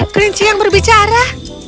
kerinci yang berbicara